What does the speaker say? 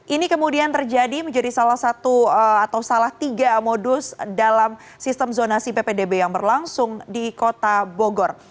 ini kemudian terjadi menjadi salah satu atau salah tiga modus dalam sistem zonasi ppdb yang berlangsung di kota bogor